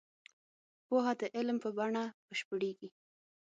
پوهه د عمل په بڼه بشپړېږي.